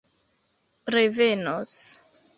revenos